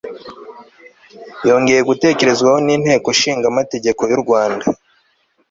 yongeye gutekerezwaho n'inteko ishinga amategeko y'u rwanda